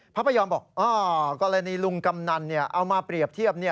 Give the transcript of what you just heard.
พระพยอมบอกกรณีลุงกำนันเอามาเปรียบเทียบ